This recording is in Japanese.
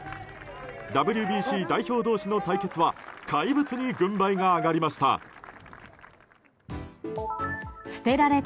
ＷＢＣ代表同士の対決は怪物に軍配が上がりました。